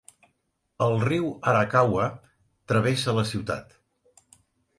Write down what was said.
El riu Arakawa travessa la ciutat.